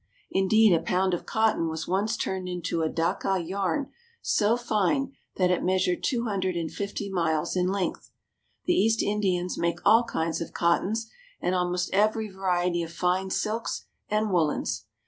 Indeed, a pound of cotton was once turned into a Dacca yarn so fine that it measured two hundred and fifty miles in length. The East Indians make all kinds of cottons, and almost every variety of fine silks and woolens.